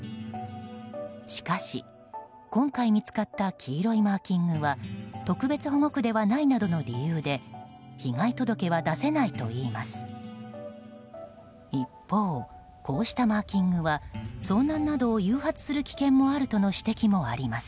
しかし、今回見つかった黄色いマーキングは特別保護区ではないなどの理由で被害届は出せないといいます。